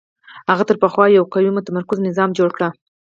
هغه تر پخوا یو قوي متمرکز نظام جوړ کړ